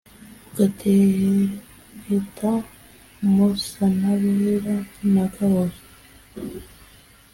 ugatereta musanabera na gahozo